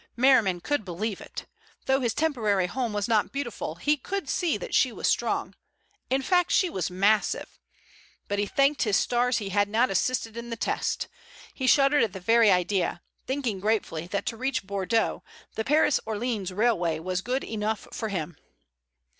Merriman could believe it. Though his temporary home was not beautiful, he could see that she was strong; in fact, she was massive. But he thanked his stars he had not assisted in the test. He shuddered at the very idea, thinking gratefully that to reach Bordeaux the Paris Orleans Railway was good enough for him.